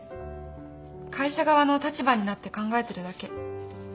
会社側の立場になって考えてるだけ。